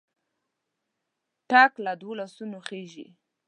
ټک له دوو لاسونو خېژي.